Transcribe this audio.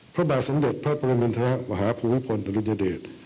พระบาทสำเด็จพระประวัมินทราบวหาภูมิพลรุณยเดช